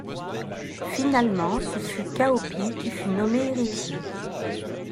Finalement ce fut Cao Pi qui fut nommé héritier.